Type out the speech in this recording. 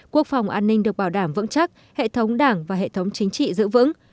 quốc phòng an ninh được bảo đảm vững chắc hệ thống đảng và hệ thống chính trị giữ vững